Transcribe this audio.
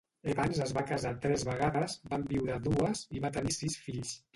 Evans es va casar tres vegades, va enviduar dues, i va tenir sis fills.